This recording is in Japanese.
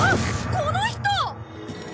この人！